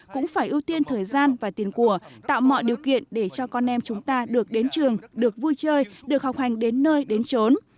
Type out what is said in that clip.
cũng phải ưu tiên thời gian và tiền của tạo mọi điều kiện để cho con em chúng ta được đến trường được vui chơi được học hành đến nơi đến trốn